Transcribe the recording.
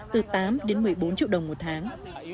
từ tám đến một mươi bốn triệu đồng